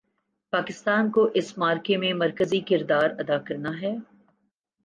پاکستان کو اس معرکے میں مرکزی کردار ادا کرنا ہے۔